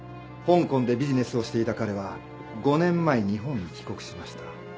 香港でビジネスをしていた彼は５年前日本に帰国しました。